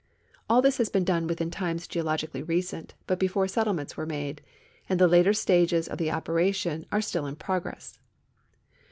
All this has been done within times geologically recent, but before settlements were made, and the later stages of the operation are still in progress.